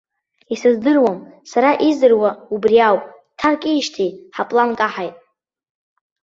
Исыздыруам, сара издыруа убри ауп, дҭаркижьҭеи ҳаплан каҳаит.